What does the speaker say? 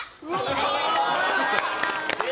ありがとうございます。